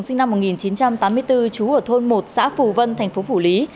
sinh năm một nghìn chín trăm tám mươi bốn trú ở thôn một xã phù vân thành phố phủ lý